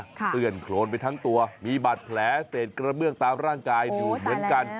เคลื่อนโครนไปทั้งตัวมีบาดแผลเศษกระเบื้องตามร่างกายอยู่เหมือนกัน